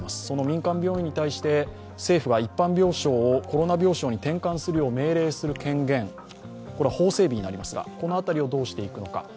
その民間病院に対して政府は一般病床をコロナ病床に転換するよう命令する権限、法整備になりますが、この辺りをどうしていくのか。